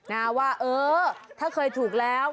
นะว่าเออถ้าเคยถูกแล้ว